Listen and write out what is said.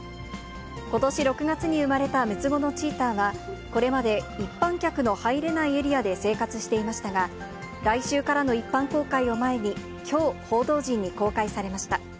ことし６月に生まれた６つ子のチーターは、これまで一般客の入れないエリアで生活していましたが、来週からの一般公開を前にきょう、報道陣に公開されました。